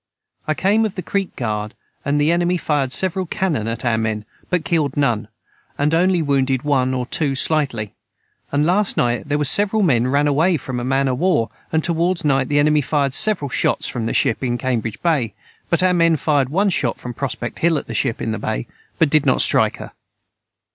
I came of the creek guard and the enemy fired several canon at our men but killed none and onely wounded one or too slitely and Last night their was several men ran away from a man of war and toward night the enemy fired several Shots from the Ship in cambridg bay and our men fired one Shot from Prospect hill at the Ship in the Bay but did not strike her.